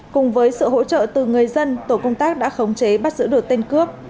cùng với sự hỗ trợ từ người dân tổ công tác đã khống chế bắt giữ được tên cướp